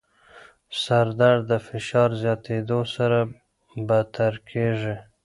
سردرد د فشار زیاتېدو سره بدتر کېږي.